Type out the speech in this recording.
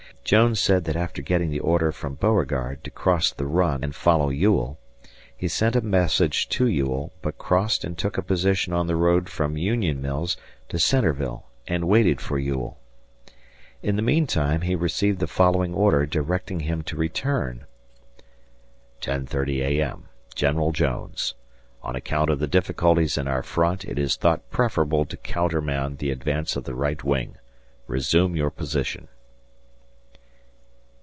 Jones said that after getting the order from Beauregard to cross the Run and follow Ewell, he sent a message to Ewell but crossed and took a position on the road from Union Mills to Centreville and waited for Ewell. In the meantime he received the following order directing him to return: 10.30 A.M. General Jones: On account of the difficulties in our front it is thought preferable to countermand the advance of the right wing. Resume your position.